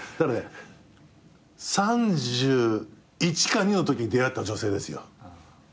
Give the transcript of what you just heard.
３１か３２のときに出会った女性ですよ。